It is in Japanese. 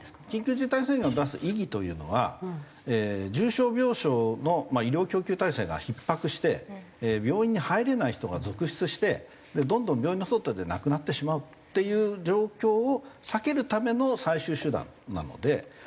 緊急事態宣言を出す意義というのは重症病床の医療供給体制がひっ迫して病院に入れない人が続出してどんどん病院の外で亡くなってしまうっていう状況を避けるための最終手段なので。